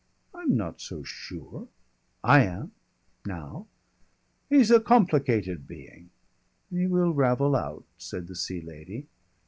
"I'm not so sure." "I am now." "He's a complicated being." "He will ravel out," said the Sea Lady.